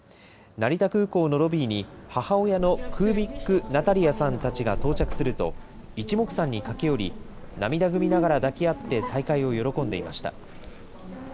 成田空港のロビーに、母親のクービック・ナタリヤさんたちが到着すると、いちもくさんに駆け寄り、涙ぐみながら抱き合って再会を喜んでいました。